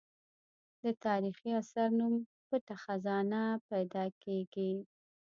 د تاریخي اثر نوم پټه خزانه پیدا کېږي.